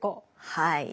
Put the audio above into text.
はい。